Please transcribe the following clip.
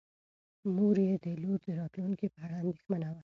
مور یې د لور د راتلونکي په اړه اندېښمنه وه.